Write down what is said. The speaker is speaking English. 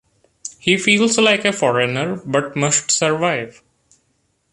He feels like a foreigner, but must survive.